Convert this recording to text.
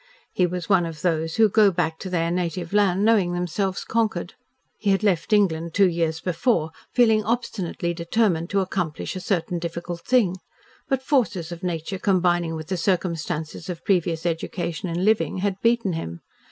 He was one of those who go back to their native land knowing themselves conquered. He had left England two years before, feeling obstinately determined to accomplish a certain difficult thing, but forces of nature combining with the circumstances of previous education and living had beaten him.